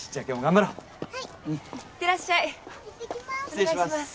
失礼します。